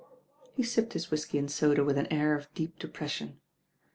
He sipped his whiskey and soda with an air of deep depression.